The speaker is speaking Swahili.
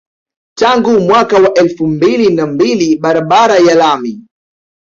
Tangu mwaka wa elfu mbili na mbili barabara ya lami